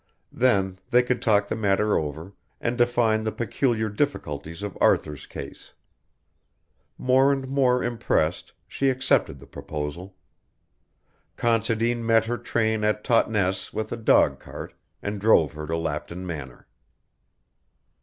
Then they could talk the matter over, and define the peculiar difficulties of Arthur's case. More and more impressed, she accepted the proposal. Considine met her train at Totnes with a dogcart and drove her to Lapton Manor.